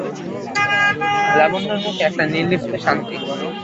লাবণ্যর মুখে একটি নির্লিপ্ত শান্তি।